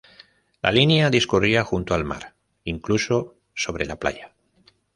La línea discurría junto al mar, incluso sobre la playa.